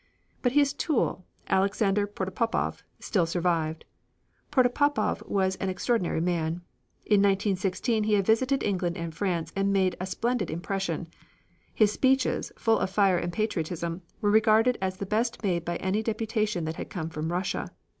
But his tool, Alexander Protopopov, still survived. Protopopov was an extraordinary man. In 1916 he had visited England and France and made a splendid impression. His speeches, full of fire and patriotism, were regarded as the best made by any deputation that had come from Russia.